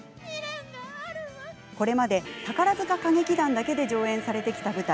これまで宝塚歌劇団だけで上演されてきた舞台。